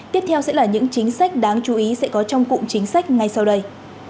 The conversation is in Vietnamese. tiếp theo sẽ là những chính sách đáng chú ý sẽ có trong cụm chính sách ngay sau đây